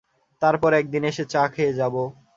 তারপর একদিন এসে চা খেয়ে যাব।